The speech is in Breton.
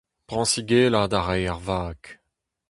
Brañsigellat a rae ar vag.